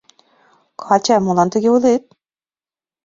— Катя, молан тыге ойлет?..